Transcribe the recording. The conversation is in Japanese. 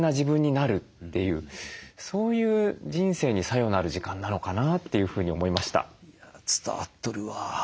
そういう人生に作用のある時間なのかなというふうに思いました。